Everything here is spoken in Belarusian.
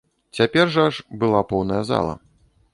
Цяпер жа ж была поўная зала.